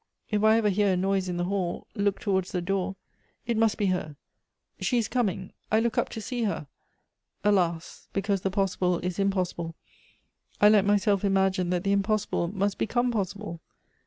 If I ever hear a noise in the hall, look towards the doOr. It must be her — she is comin< — I look up to sec her. Alas ! because the possible is im possible, I let myself imagine that the impossible must be come possible.